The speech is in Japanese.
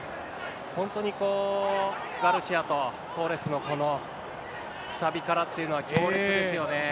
本当にガルシアとトーレスのこのくさびからっていうのは強烈ですよね。